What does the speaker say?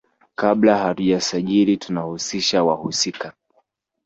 Kabla hatujasajili tunahusisha wahusika.